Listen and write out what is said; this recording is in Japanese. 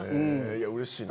うれしいな。